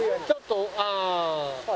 ちょっとああ。